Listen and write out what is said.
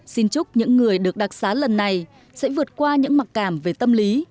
xin chúc những người được đặc xá lần này sẽ vượt qua những mặc cảm về tâm lý